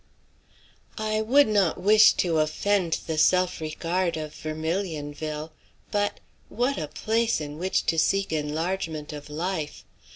I would not wish to offend the self regard of Vermilionville. But what a place in which to seek enlargement of life!